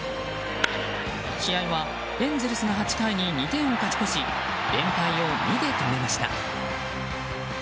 試合はエンゼルスが８回に２点を勝ち越し連敗を２で止めました。